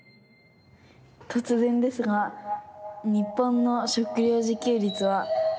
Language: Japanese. とつぜんですが日本の食料自給率は。